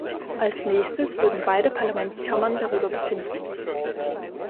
Als Nächstes würden beide Parlamentskammern darüber befinden.